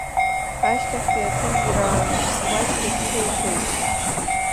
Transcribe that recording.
Ашьҭахьтәи аҭыжьра аан маҷк ирҽеиқәеит.